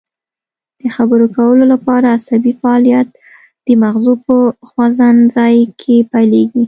د خبرو کولو لپاره عصبي فعالیت د مغزو په خوځند ځای کې پیلیږي